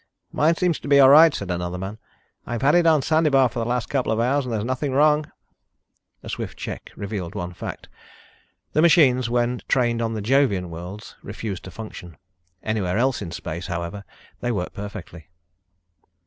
"Mine seems to be all right," said another man. "I've had it on Sandebar for the last couple of hours and there's nothing wrong." A swift check revealed one fact. The machines, when trained on the Jovian worlds, refused to function. Anywhere else in space, however, they worked perfectly.